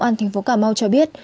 lãnh đạo công an tp cà mau cho biết